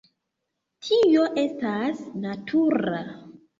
Tio estas natura.